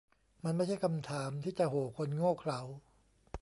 มันไม่ใช่คำถามที่จะ 'โห่' คนโง่เขลา